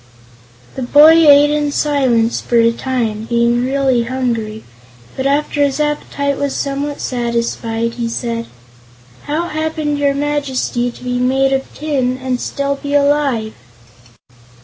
The boy ate in silence for a time, being really hungry, but after his appetite was somewhat satisfied, he said: "How happened your Majesty to be made of tin, and still be alive?"